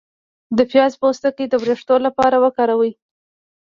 د پیاز پوستکی د ویښتو لپاره وکاروئ